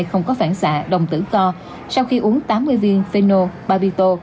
không có phản xạ đồng tử co sau khi uống tám mươi viên phenol babito